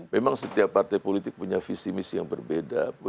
memang setiap partai politik punya visi misi yang berbeda